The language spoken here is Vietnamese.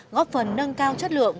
ngóp phần nâng cao chất lượng